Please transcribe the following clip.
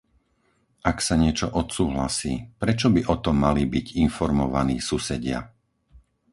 Ak sa niečo odsúhlasí, prečo by o tom mali byť informovaní susedia?